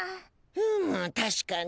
うむ確かに。